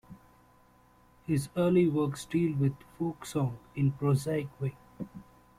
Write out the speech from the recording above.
His early works deal with folksong in prosaic way.